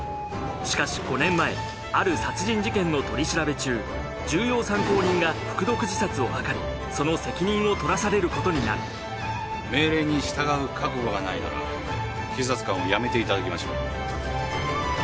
しかし５年前ある殺人事件の取り調べ中重要参考人が服毒自殺を図りその責任を取らされることになる命令に従う覚悟がないなら警察官を辞めていただきましょう。